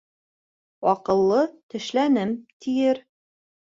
Аҡыллы «тешләнем» тиер.